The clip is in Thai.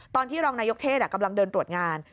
ตอนที่รองนายกเทศกำลังเดินตรวจงาน